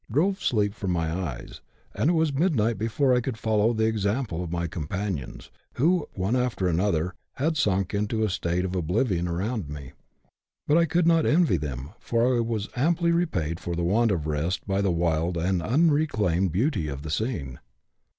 97 drove sleep from my eyes, and it was midniglit before I could follow the example of my companions, who, one after another, had sunk into a state of oblivion around me ; but I could not envy them, for I was amply repaid for the want of rest by the wild and unreclaimed beauty of the scene.